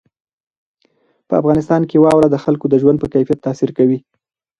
په افغانستان کې واوره د خلکو د ژوند په کیفیت تاثیر کوي.